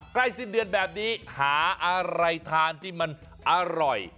สิ้นเดือนแบบนี้หาอะไรทานที่มันอร่อย